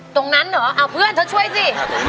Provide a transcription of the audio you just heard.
ตรงนั้นเหรอเอาเพื่อนเธอช่วยสิ